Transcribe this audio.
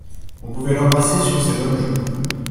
On pouvait l'embrasser sur ses bonnes joues.